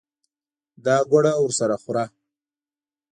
دا ګوړه ورسره خوره.